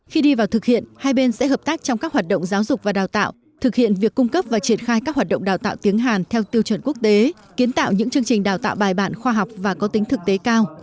khi đi vào thực hiện hai bên sẽ hợp tác trong các hoạt động giáo dục và đào tạo thực hiện việc cung cấp và triển khai các hoạt động đào tạo tiếng hàn theo tiêu chuẩn quốc tế kiến tạo những chương trình đào tạo bài bản khoa học và có tính thực tế cao